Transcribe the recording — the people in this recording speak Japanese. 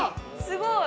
◆すごい。